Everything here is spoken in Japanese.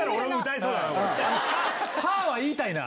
「ハァ」は言いたいな。